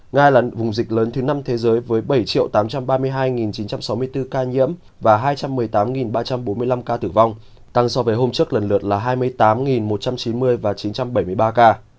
nga là vùng dịch lớn thứ năm thế giới với bảy tám trăm ba mươi hai chín trăm sáu mươi bốn ca nhiễm và hai trăm một mươi tám ba trăm bốn mươi năm ca tử vong tăng so với hôm trước lần lượt là hai mươi tám một trăm chín mươi và chín trăm bảy mươi ba ca